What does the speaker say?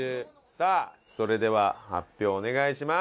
さあそれでは発表お願いします。